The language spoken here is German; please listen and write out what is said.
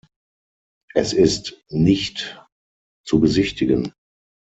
Es ist nicht zu besichtigen.